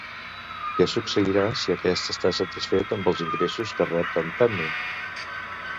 Què succeirà si aquest està satisfet amb els ingressos que rep d'en Temme?